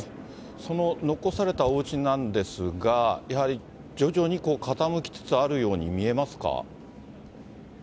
その残されたおうちなんですが、やはり徐々に傾きつつあるように見えますか。